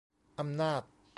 อำนาจ